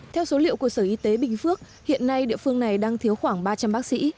theo số liệu của sở y tế bình phước hiện nay địa phương này đang thiếu khoảng ba trăm linh bác sĩ